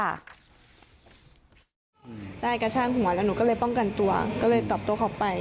ไม่ได้สนิทไม่ได้อะไร